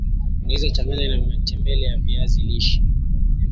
unaweza changanya ya matembele ya viazi lishe